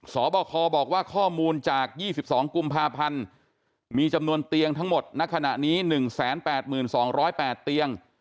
บคบอกว่าข้อมูลจาก๒๒กุมภาพันธ์มีจำนวนเตียงทั้งหมดณขณะนี้๑๘๒๐๘เตียง